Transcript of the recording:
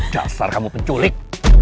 jasar kamu penculik